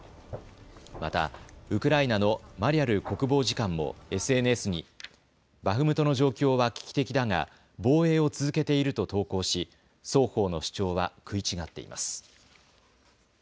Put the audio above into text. またウクライナのマリャル国防次官もＳＮＳにバフムトの状況は危機的だが防衛を続けていると投稿し双方の主張は食い違っています。